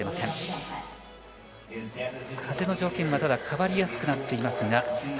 ただ、風の条件も変わりやすくなっています。